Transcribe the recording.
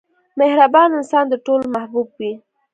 • مهربان انسان د ټولو محبوب وي.